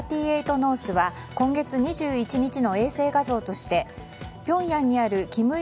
ノースは今月２１日の衛星画像としてピョンヤンにある金日